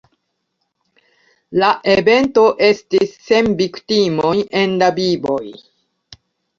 La evento estis sen viktimoj en la vivoj.